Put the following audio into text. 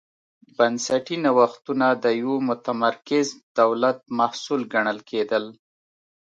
بنسټي نوښتونه د یوه متمرکز دولت محصول ګڼل کېدل.